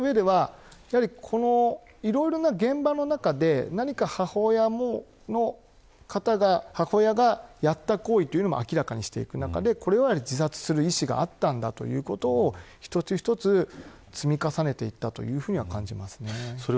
いろんな現場の中で、母親がやった行為というのも明らかにしていく中でこれはやはり自殺する意思があったんだということを一つ、一つ積み重ねていったと感じます。